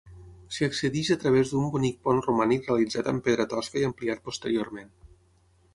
S'hi accedeix a través d'un bonic pont romànic realitzat amb pedra tosca i ampliat posteriorment.